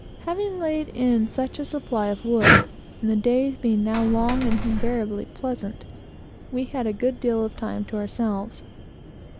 Having laid in such a supply of wood, and the days being now long, and invariably pleasant, we had a good deal of time to ourselves.